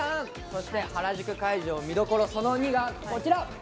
そして、原宿会場見どころ、その２がこちら。